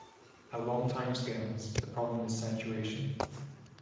At long timescales, the problem is saturation.